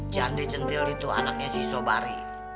jande centil itu anaknya si sobari